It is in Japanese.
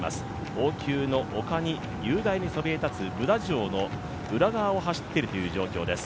王宮の丘に雄大にそびえ立つブダ城の裏側を走っている状況です